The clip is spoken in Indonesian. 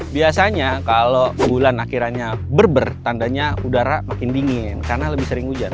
biasanya kalau bulan akhirnya berber tandanya udara makin dingin karena lebih sering hujan